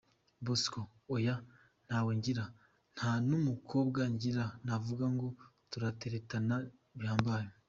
Bosco: Oya ntawe ngira, nta n’umukobwa ngira navuga ngo turateretana bihambaye.